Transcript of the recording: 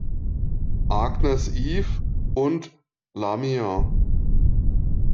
Agnes Eve“ und „Lamia“.